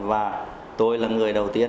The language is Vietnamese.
và tôi là người đầu tiên